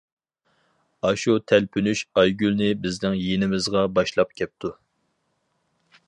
ئاشۇ تەلپۈنۈش ئايگۈلنى بىزنىڭ يېنىمىزغا باشلاپ كەپتۇ.